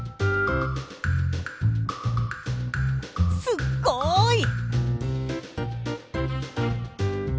すっごい。